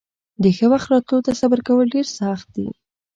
د ښه وخت راتلو ته صبر کول ډېر سخت دي.